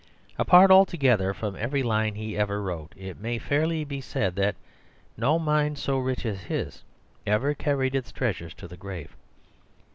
Apart altogether from every line he ever wrote, it may fairly be said that no mind so rich as his ever carried its treasures to the grave.